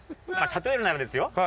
例えるならですよ